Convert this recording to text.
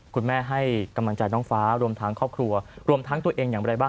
คุณแม่ให้กำลังใจน้องฟ้ารวมทั้งครอบครัวรวมทั้งตัวเองอย่างไรบ้าง